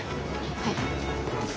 はい。